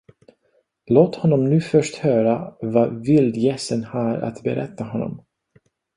Låt honom nu först höra vad vildgässen har att berätta honom!